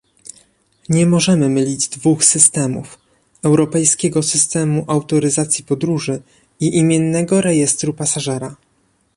Nie możemy mylić dwóch systemów, europejskiego systemu autoryzacji podróży i imiennego rejestru pasażera